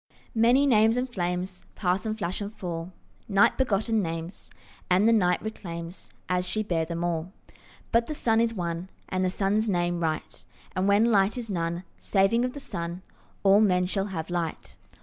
Many names and flames Pass and flash and fall, Night begotten names, And the night reclaims, As she bare them, all. But the sun is one, And the sun's name Right; And when light is none Saving of the sun, All men shall have light.